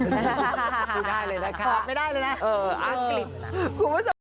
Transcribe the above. ขอบไปได้เลยนะ